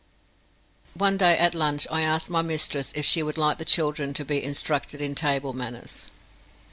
One day at lunch I asked my mistress if she would like the children to be instructed in table manners.